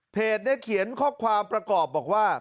เขียนข้อความประกอบบอกว่า